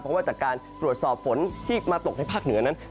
เพราะว่าจากการตรวจสอบฝนที่มาตกในภาคเหนือนั้น